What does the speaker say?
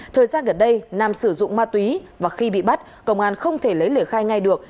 thời gian gần đây nam sử dụng ma túy và khi bị bắt công an không thể lấy lời khai ngay được